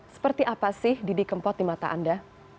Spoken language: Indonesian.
seperti apa sih didi kempot di mata anda